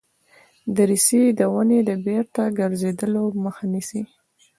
دریڅې د وینې د بیرته ګرځیدلو مخه نیسي.